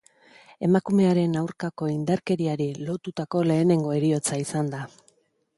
Emakumearen aurkakoindarkeriari lotutako lehenengo heriotza izan da.